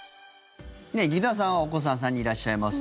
劇団さんはお子さん３人いらっしゃいます。